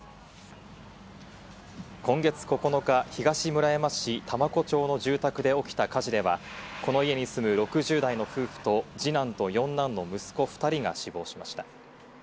今月９日、東村山市多摩湖町の住宅でおきた火事ではこの家に住む６０代の夫婦と二男と四男の息子２人が死亡しました。